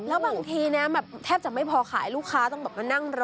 แล้วบางทีนะแบบแทบจะไม่พอขายลูกค้าต้องแบบมานั่งรอ